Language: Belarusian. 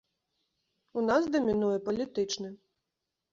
У нас дамінуе палітычны.